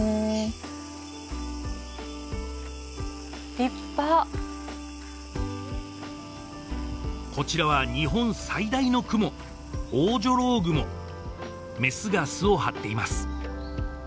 立派こちらは日本最大のクモメスが巣を張っています